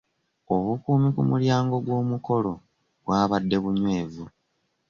Obukuumi ku mulyango g'womukolo bwabadde bunywevu.